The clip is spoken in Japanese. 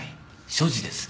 所持です。